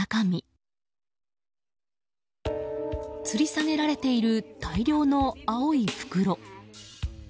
つり下げられている大量の青い袋。